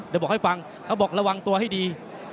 เดี๋ยวบอกให้ฟังเขาบอกระวังตัวให้ดี